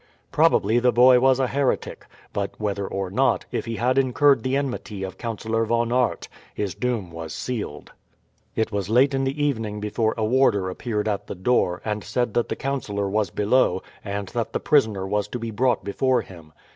Probably the boy was a heretic; but whether or not, if he had incurred the enmity of Councillor Von Aert, his doom was sealed. It was late in the evening before a warder appeared at the door, and said that the councillor was below, and that the prisoner was to be brought before him.